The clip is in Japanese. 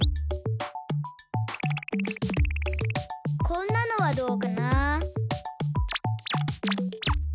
こんなのはどうかな。